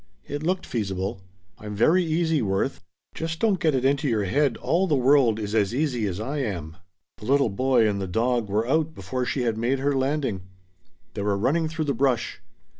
It looked feasible. "I'm very 'easy,' Worth. Just don't get it into your head all the world is as easy as I am." The little boy and the dog were out before she had made her landing. They were running through the brush.